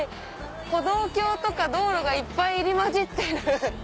歩道橋とか道路がいっぱい入り交じってる。